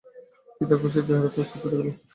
কী তার কুৎসিত চেহারা সে তো দেখিলে!